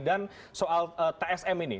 dan soal tsm ini